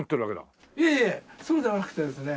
いえいえそうじゃなくてですね